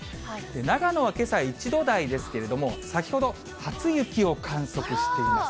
長野はけさ、１度台ですけれども、先ほど初雪を観測しています。